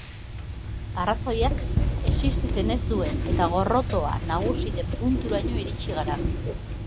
Arrazoiak existitzen ez duen eta gorrotoa nagusi den punturaino iritsi gara.